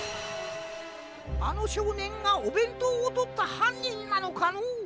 あのしょうねんがおべんとうをとったはんにんなのかのう？